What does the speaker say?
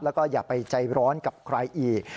แล้วก็อย่าไปใจร้อนกับใครอีก